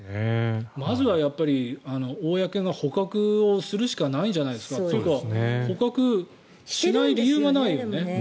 まずは公の捕獲をするしかないんじゃないですか？というか捕獲しない理由がないよね。